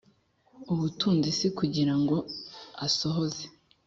ubutunzi si kugira ngo asohoze